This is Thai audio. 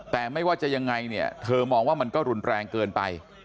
แต่ไม่ว่าจะยังไงเนี่ยเธอมองว่ามันก็รุนแรงเกินไป